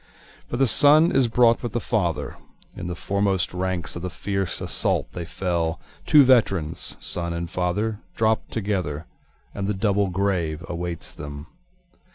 For the son is brought with the father, (In the foremost ranks of the fierce assault they fell, Two veterans son and father dropt together, And the double grave awaits them.)